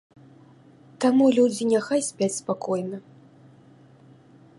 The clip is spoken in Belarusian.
Таму людзі няхай спяць спакойна.